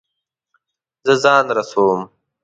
زه ځان رسوم